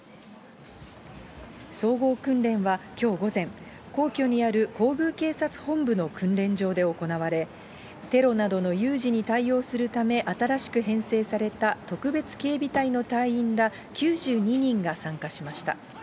総合訓練はきょう午前、皇居にある皇宮警察本部の訓練場で行われ、テロなどの有事に対応するため新しく編成された特別警備隊の隊員ら９２人が参加しました。